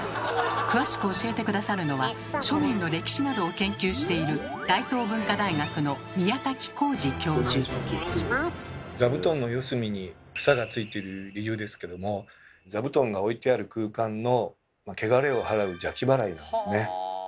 詳しく教えて下さるのは庶民の歴史などを研究している座布団の四隅に房がついている理由ですけども座布団が置いてある空間のけがれを払う「邪気払い」なんですね。